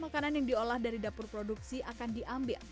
makanan yang diolah dari dapur produksi akan diambil